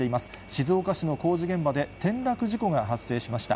静岡市の工事現場で転落事故が発生しました。